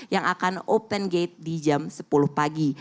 yang akan open gate di jam sepuluh pagi